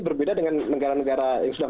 berbeda dengan negara negara yang sudah